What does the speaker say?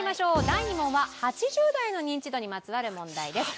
第２問は８０代のニンチドにまつわる問題です。